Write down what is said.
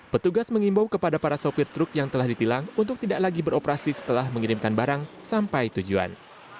petugas mengimbau kepada para sopir truk yang telah ditilang untuk tidak lagi beroperasi setelah mengirimkan barang sampai tujuan